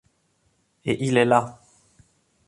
Et il est là.